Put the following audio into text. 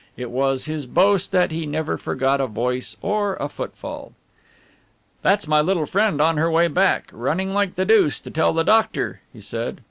It was his boast that he never forgot a voice or a footfall. "That's my little friend on her way back, running like the deuce, to tell the doctor," he said.